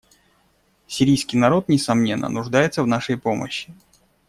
Сирийский народ, несомненно, нуждается в нашей помощи.